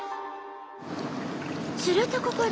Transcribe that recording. するとここで。